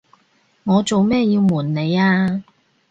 我做咩要暪你呀？